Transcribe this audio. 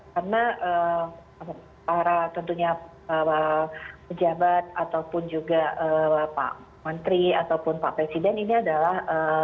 karena para tentunya pejabat ataupun juga pak menteri ataupun pak presiden ini adalah